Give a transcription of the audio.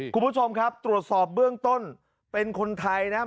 คุณผู้ชมครับตรวจสอบเบื้องต้นเป็นคนไทยนะครับ